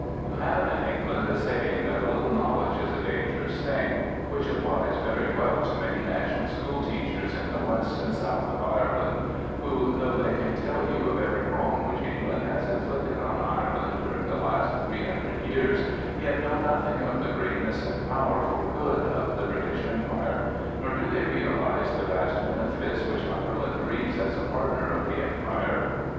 You have in England a saying that a little knowledge is a dangerous thing, which applies very well to many national school teachers in the west and south of Ireland, who, though they can tell you of every wrong which England has inflicted on Ireland during the last three hundred years, yet know nothing of the greatness and power for good of the British Empire; nor do they realise the vast benefits which Ireland reaps as a partner of the Empire.